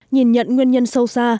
nhìn nhận nguyên nhân sâu xa